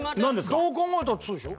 どう考えたってそうでしょ。